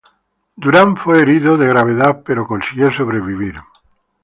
Durant fue herido de gravedad pero consiguió sobrevivir.